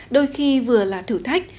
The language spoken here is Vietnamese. đôi khi vừa là thử thách